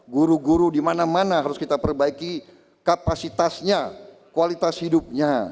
guru guru di mana mana harus kita perbaiki kapasitasnya kualitas hidupnya